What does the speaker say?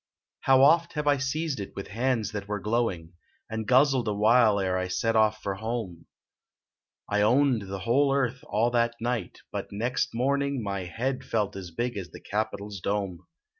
How oft have I seized it with hands that were glowing, And guzzled awhile ere I set off for home ; I owned the whole earth all that night, but next morning My head felt as big as the Capitol s dome.